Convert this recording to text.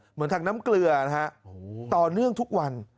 เหมือนถังน้ำเกลือนะฮะต่อเนื่องทุกวัน